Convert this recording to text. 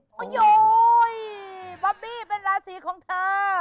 โอ้โยยบ๊อบบี้เป็นราศีของเธอ